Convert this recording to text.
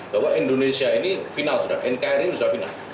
bahwa indonesia ini final sudah nkri sudah final